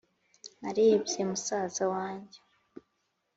narebye musaza wanjye